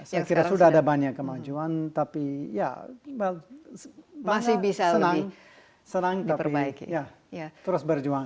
saya kira sudah ada banyak kemajuan tapi ya bangga senang tapi ya terus berjuang